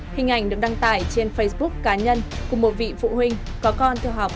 hình ảnh được đăng tải trên facebook cá nhân của một vị phụ huynh có con theo học